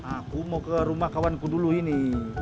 aku mau ke rumah kawanku dulu ini